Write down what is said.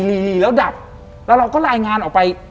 มีแล้วดับแล้วเราก็รายงานออกไป